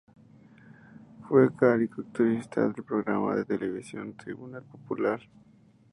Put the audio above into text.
Fue caricaturista del programa de televisión "Tribunal popular".